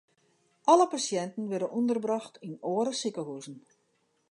Alle pasjinten wurde ûnderbrocht yn oare sikehuzen.